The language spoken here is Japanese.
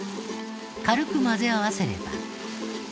軽く混ぜ合わせれば。